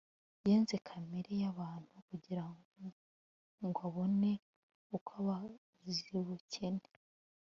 Yenze kamere yabantu kugira ngw abone ukw abakizubukene